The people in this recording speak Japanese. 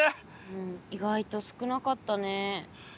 うん意外と少なかったね。